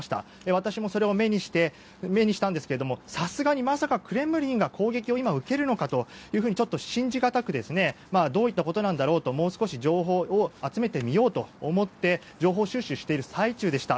私もそれを目にしたんですけれどさすがにまさかクレムリンが攻撃を今、受けるのかとちょっと信じがたくどういったことなんだろうともう少し情報を集めてみようと思って情報収集している最中でした。